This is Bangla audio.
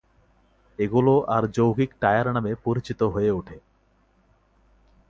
এগুলো আর যৌগিক টায়ার নামে পরিচিত হয়ে ওঠে।